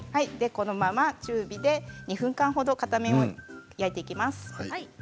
このまま中火で２分間ほど片面も焼いていきます。